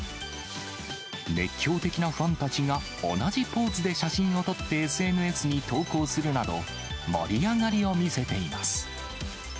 熱狂的なファンたちが同じポーズで写真を撮ってＳＮＳに投稿するなど、盛り上がりを見せています。